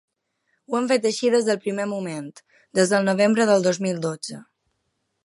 Ho hem fet així des del primer moment, des del novembre del dos mil dotze.